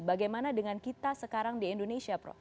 bagaimana dengan kita sekarang di indonesia prof